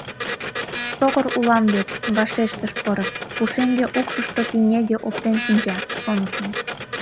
— Сокыр улам вет, — вашештыш пырыс, — пушеҥге укшышто пинеге оптен шинча, шонышым...